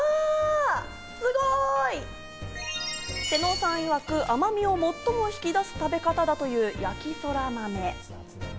瀬能さんいわく、甘みを最も引き出す食べ方だという焼きそらまめ。